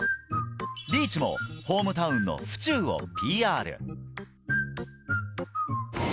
リーチもホームタウンの府中をＰＲ。